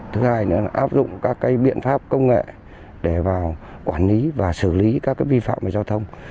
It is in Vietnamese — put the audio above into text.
thứ hai nữa là áp dụng các biện pháp công nghệ để vào quản lý và xử lý các vi phạm về giao thông